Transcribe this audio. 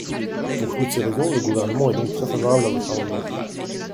Pour toutes ces raisons, le Gouvernement est donc très favorable à votre amendement.